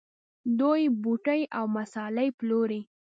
دوی بوټي او مسالې پلوري.